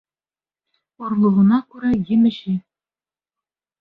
Орлоғона күрә емеше.